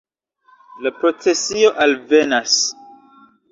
La procesio alvenas.